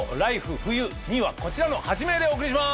冬．２」はこちらの８名でお送りします！